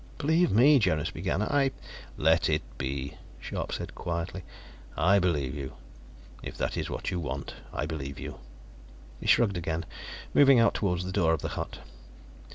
"Believe me," Jonas began. "I " "Let it be," Scharpe said quietly. "I believe you. If that is what you want, I believe you." He shrugged again, moving out toward the door of the hut.